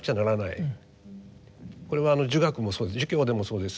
これは儒学もそう儒教でもそうです。